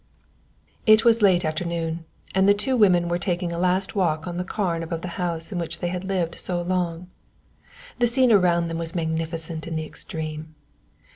It was late afternoon, and the two women were taking a last walk on the carn above the house in which they had lived so long. The scene around them was magnificent in the extreme.